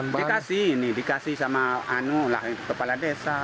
dikasih ini dikasih sama kepala desa